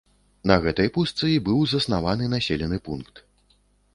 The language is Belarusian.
На гэтай пустцы і быў заснаваны населены пункт.